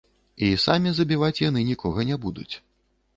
І самі забіваць яны нікога не будуць.